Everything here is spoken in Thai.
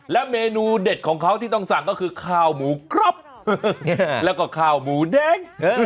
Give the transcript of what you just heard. เมนูเด็ดของเขาที่ต้องสั่งก็คือข้าวหมูครบแล้วก็ข้าวหมูแดง